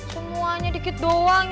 semuanya dikit doang